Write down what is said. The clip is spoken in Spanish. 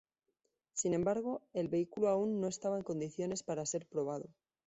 Sin embargo, el vehículo aún no estaba en condiciones para ser probado.